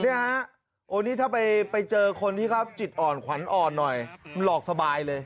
อันนี้ถ้าไปเจอคนที่จิตอ่อนขวัญอ่อนหน่อยมันหลอกสบายเลย